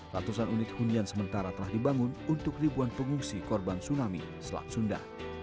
ratusan unit hunian sementara telah dibangun untuk ribuan pengungsi korban tsunami selat sunda